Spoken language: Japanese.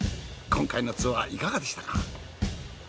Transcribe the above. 今回のツアーいかがでしたか？